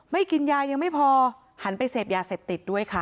กินยายังไม่พอหันไปเสพยาเสพติดด้วยค่ะ